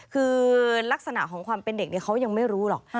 คือลักษณะของความเป็นเด็กเขายังไม่รู้หรอก